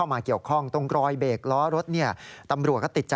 ไม่ครับ